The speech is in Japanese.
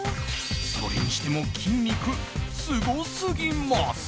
それにしても筋肉、すごすぎます。